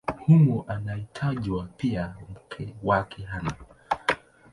Humo anatajwa pia mke wake Ana.